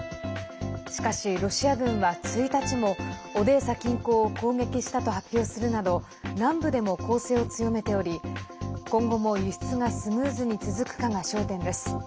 しかし、ロシア軍は１日もオデーサ近郊を攻撃したと発表するなど南部でも攻勢を強めており今後も輸出がスムーズに続くかが焦点です。